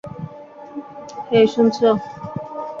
হেই, শুনছো?